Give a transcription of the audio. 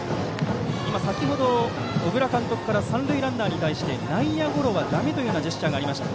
先程、小倉監督から三塁ランナーに対して内野ゴロは、だめというジェスチャーがありました。